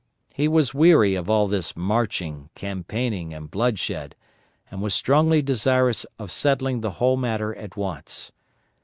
He was weary of all this marching, campaigning, and bloodshed, and was strongly desirous of settling the whole matter at once.